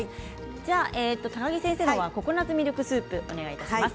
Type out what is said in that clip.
高城先生はココナツミルクスープをお願いします。